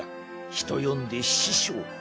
人呼んで師匠。